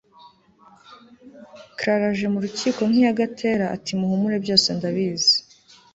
Clara aje mu rukiko aza nkiyagatera ati muhumure byose ndabizi